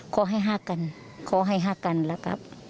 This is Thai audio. ขอให้หากกันขอให้หากกันล่ะครับ